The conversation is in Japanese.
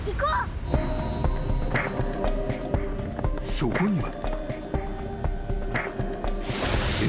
［そこには］